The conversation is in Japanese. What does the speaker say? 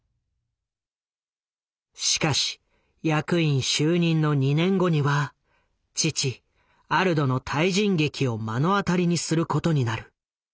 しかし役員就任の２年後には父アルドの退陣劇を目の当たりにすることになる。